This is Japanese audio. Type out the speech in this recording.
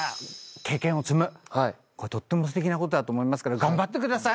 これとってもすてきなことだと思いますから頑張ってください。